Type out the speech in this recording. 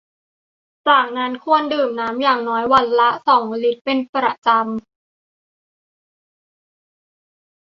จากนั้นควรดื่มน้ำอย่างน้อยวันละ สอง ลิตรเป็นประจำ